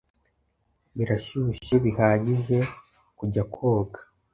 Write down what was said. Birashyushye bihagije kujya koga?